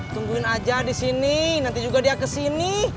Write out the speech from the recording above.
tungguin aja disini nanti juga dia kesini